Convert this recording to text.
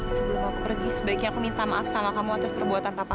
sebelum aku pergi sebaiknya aku minta maaf sama kamu atas perbuatan papa